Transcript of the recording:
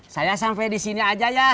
saya sampai di sini aja ya